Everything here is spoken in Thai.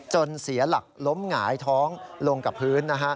เสียหลักล้มหงายท้องลงกับพื้น